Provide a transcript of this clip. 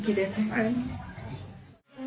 はい。